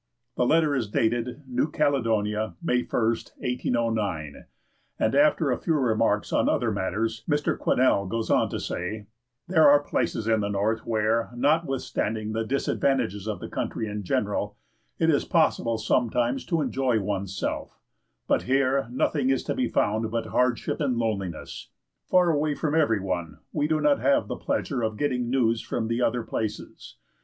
The letter is dated New Caledonia, May 1st, 1809, and after a few remarks on other matters, Mr. Quesnel goes on to say: "There are places in the north where, notwithstanding the disadvantages of the country in general, it is possible sometimes to enjoy one's self; but here nothing is to be found but hardship and loneliness. Far away from every one, we do not have the pleasure of getting news from the other places.